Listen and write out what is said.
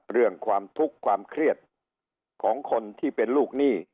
เรื่องความทุกข์ความเครียดของคนที่เป็นลูกหนี้